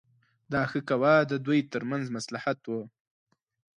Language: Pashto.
دا ښه کوه د دوی ترمنځ مصلحت و.